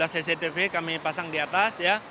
satu ratus tiga belas cctv kami pasang di atas ya